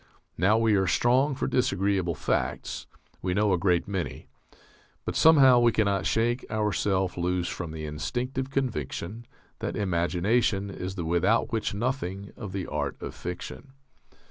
Now we are strong for disagreeable facts. We know a great many. But somehow we cannot shake ourself loose from the instinctive conviction that imagination is the without which nothing of the art of fiction.